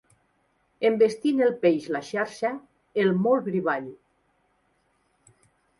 Envestint el peix la xarxa, el molt brivall.